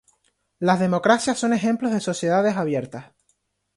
Las democracias son ejemplos de sociedades abiertas.